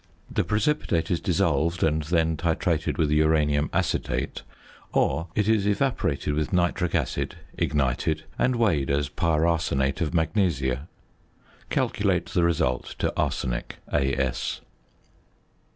The precipitate is dissolved and then titrated with uranium acetate, or it is evaporated with nitric acid, ignited, and weighed as pyrarsenate of magnesia. Calculate the result to arsenic, As.